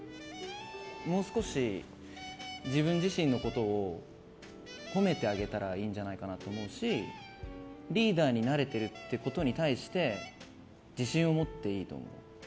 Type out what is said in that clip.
もう少し、自分自身のことを褒めてあげたらいいんじゃないかなと思うしリーダーになれてるってことに対して自信を持っていいと思う。